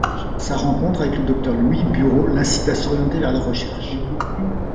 Sa rencontre avec le docteur Louis Bureau l'incite à s'orienter vers la recherche.